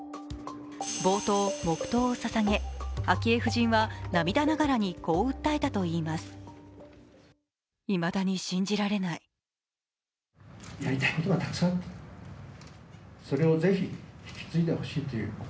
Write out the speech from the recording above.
冒頭、黙とうをささげ、昭恵夫人は涙ながらにこう訴えたといいます。